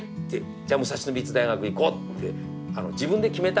じゃあ武蔵野美術大学行こうって自分で決めた。